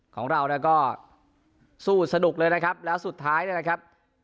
ของเราเนี่ยก็สู้สนุกเลยนะครับแล้วสุดท้ายเนี่ยนะครับ